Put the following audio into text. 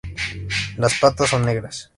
Las patas son negras.